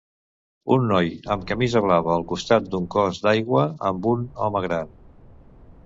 Un noi amb camisa blava al costat d'un cos d'aigua amb un home gran.